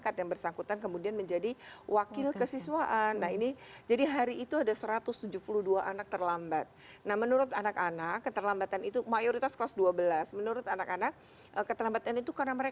tau tau jam sebelas